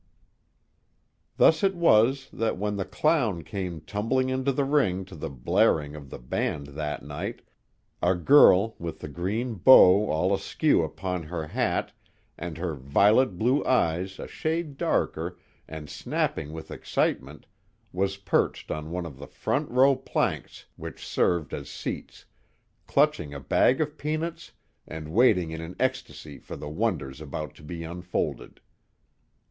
Thus it was that when the clown came tumbling into the ring to the blaring of the band that night, a girl with the green bow all askew upon her hat and her violet blue eyes a shade darker and snapping with excitement was perched on one of the front row planks which served as seats, clutching a bag of peanuts and waiting in an ecstasy for the wonders about to be unfolded.